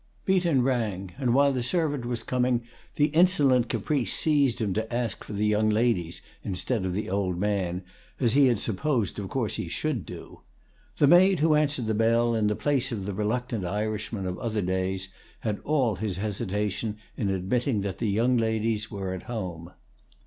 Beaton rang, and while the servant was coming the insolent caprice seized him to ask for the young ladies instead of the old man, as he had supposed of course he should do. The maid who answered the bell, in the place of the reluctant Irishman of other days, had all his hesitation in admitting that the young ladies were at home.